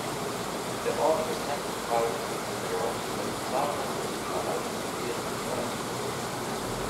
Der Ort ist ein Waldhufendorf mit zahlreichen gut erhaltenen Vierseithöfen.